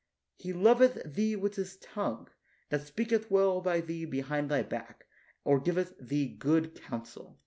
He loveth thee with his tongue, that speaketh well by thee behind thy back, or giveth thee good counsel.